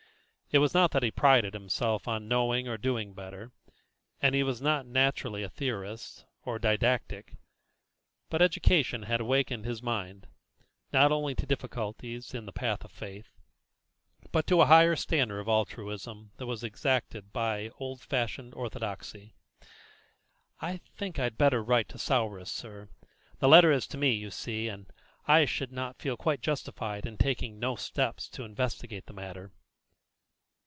It was not that he prided himself on knowing or doing better, he was not naturally a theorist, nor didactic; but education had awakened his mind, not only to difficulties in the path of faith, but to a higher standard of altruism than was exacted by old fashioned orthodoxy. "I think I'd better write to Souris, sir; the letter is to me, you see, and I should not feel quite justified in taking no steps to investigate the matter."